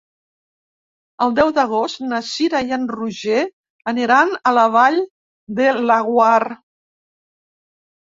El deu d'agost na Cira i en Roger aniran a la Vall de Laguar.